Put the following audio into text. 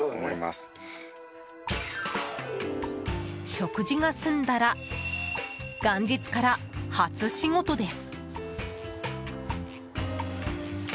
食事が済んだら元日から初仕事です。